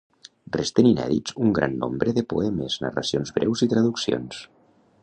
Resten inèdits un gran nombre de poemes, narracions breus i traduccions.